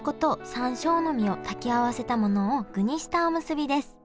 山椒の実を炊き合わせたものを具にしたおむすびです。